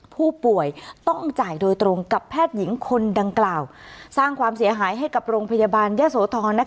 ผู้ป่วยต้องจ่ายโดยตรงกับแพทย์หญิงคนดังกล่าวสร้างความเสียหายให้กับโรงพยาบาลยะโสธร